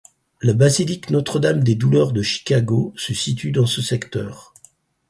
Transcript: La basilique Notre-Dame-des-Douleurs de Chicago se situe dans ce secteur.